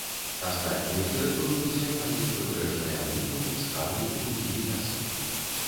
Астатнюю тэрыторыю займаюць прыбярэжныя выдмы, скалы, лугі і лясы.